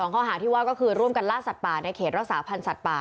ข้อหาที่ว่าก็คือร่วมกันล่าสัตว์ป่าในเขตรักษาพันธ์สัตว์ป่า